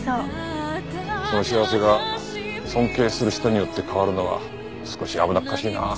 その幸せが尊敬する人によって変わるのは少し危なっかしいなあ。